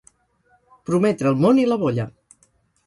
Prometre el món i la bolla.